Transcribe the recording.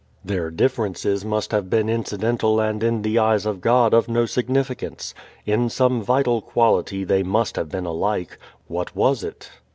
Their differences must have been incidental and in the eyes of God of no significance. In some vital quality they must have been alike. What was it?